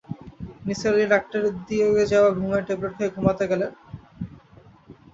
নিসার আলি ডাক্তারের দিয়ে-যাওয়া ঘুমের ট্যাবলেট খেয়ে ঘুমুতে গেলেন।